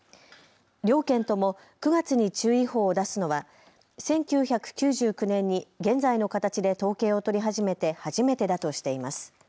両県とも９月に注意報を出すのは１９９９年に現在の形で統計を取り始めて初めてだとしています。